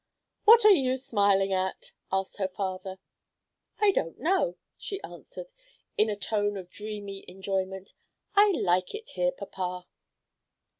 "What are you smiling at?" asked her father. "I don't know," she answered, in a tone of dreamy enjoyment. "I like it here, papa."